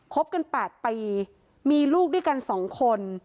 บกัน๘ปีมีลูกด้วยกัน๒คน